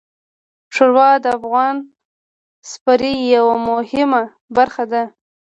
ښوروا د افغان سفرې یوه مهمه برخه ده.